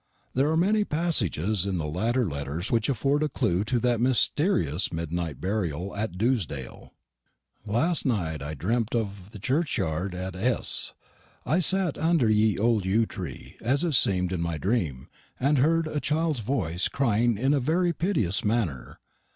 There are many passages in the latter letters which afford a clue to that mysterious midnight burial at Dewsdale. "Last nite I drem't of the cherchyarde at S. I satte under the olde yewe tree, as it semed in my dreme, and hurd a childes voice crying in a very piteous mannerr.